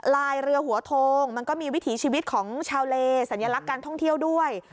ลายเรือหัวโทงมันก็มีวิถีชีวิตของชาวเลสัญลักษณ์การท่องเที่ยวด้วย